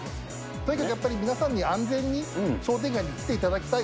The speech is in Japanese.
とにかくやっぱり、皆さんに安全に商店街に来ていただきたい。